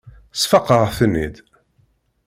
Sfaqeɣ-ten-id.